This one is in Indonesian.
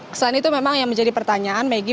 selain itu memang yang menjadi pertanyaan megi